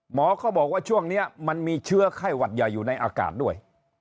เขาบอกว่าช่วงนี้มันมีเชื้อไข้หวัดใหญ่อยู่ในอากาศด้วย